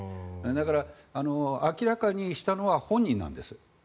だから明らかにしたのは本人なんです。